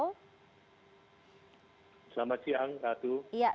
selamat siang ratu